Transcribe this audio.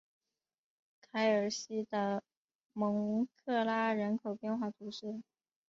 凯尔西的蒙克拉人口变化图示